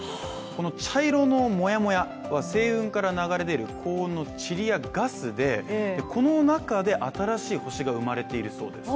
この茶色のモヤモヤは、星雲から流れ出る高温のちりやガスでこの中で新しい星が生まれているそうです。